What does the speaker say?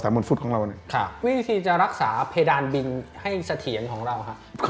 สามหมุนฟุตของเราเนี้ยค่ะวิธีจะรักษาเพดานบินให้เสถียงของเราค่ะ